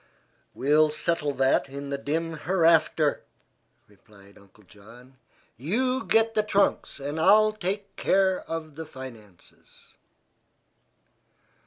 "We'll settle that in the dim hereafter," replied Uncle John. "You get the trunks, and I'll take care of the finances."